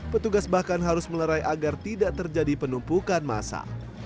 petugas bahkan harus melerai agar tidak terjadi penumpukan masa